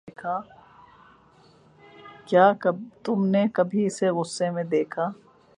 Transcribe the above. کیا تم نے کبھی اسے غصے میں دیکھا ہے؟